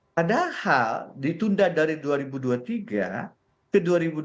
padahal ditunda dari dua ribu dua puluh tiga ke dua ribu dua puluh